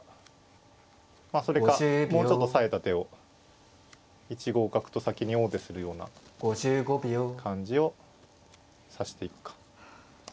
まあそれかもうちょっとさえた手を１五角と先に王手するような感じを指していくか。